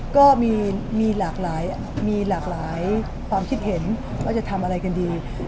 ก็มีหลากหลายความคิดเห็นว่าจะทำอะไรกันดี